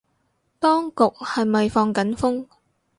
當局係咪放緊風